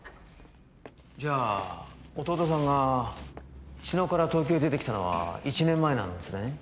じゃあ弟さんが茅野から東京へ出てきたのは１年前なんですね？